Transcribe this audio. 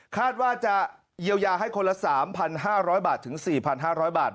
คาดว่าจะเยียวยาให้คนละ๓๕๐๐บาทถึง๔๕๐๐บาท